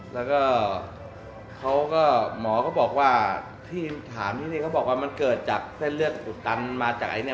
แล้วก็เขาก็หมอก็บอกว่าที่ถามที่นี่เขาบอกว่ามันเกิดจากเส้นเลือดอุดตันมาจากไอ้เนี่ย